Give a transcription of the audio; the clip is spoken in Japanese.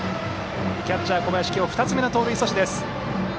キャッチャー、小林今日２つ目の盗塁阻止です。